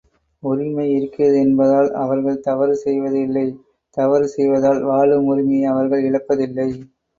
உரிமை இருக்கிறது என்பதால் அவர்கள் தவறு செய்வது இல்லை தவறு செய்வதால் வாழும் உரிமையை அவர்கள் இழப்பதில்லை.